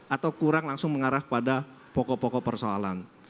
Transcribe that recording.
atau kurang langsung mengarah kepada pokok pokok persoalan